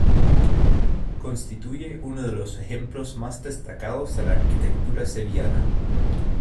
Constituye uno de los ejemplos más destacados de la arquitectura sevillana.